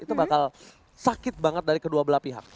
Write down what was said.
itu bakal sakit banget dari kedua belah pihak